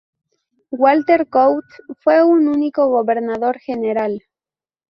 Walter Coutts fue su único Gobernador General.